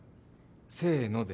せーので。